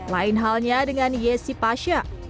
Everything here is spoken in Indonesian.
lain halnya dengan yesi pasha